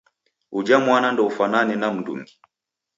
Uja mwana ndoufwanane na m'ndungi.